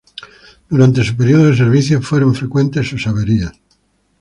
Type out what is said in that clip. Durante su periodo de servicio, fueron frecuentes sus averías.